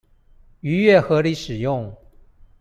逾越合理使用